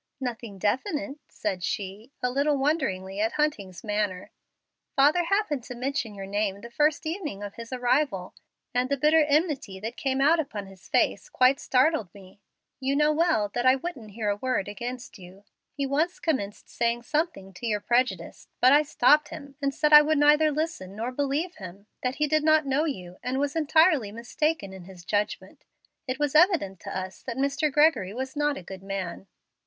"Nothing definite," said she, a little wonderingly at Hunting's manner. "Father happened to mention your name the first evening of his arrival, and the bitter enmity that came out upon his face quite startled me. You know well that I wouldn't hear a word against you. He once commenced saying something to your prejudice, but I stopped him and said I would neither listen to nor believe him that he did not know you, and was entirely mistaken in his judgment. It was evident to us that Mr. Gregory was not a good man.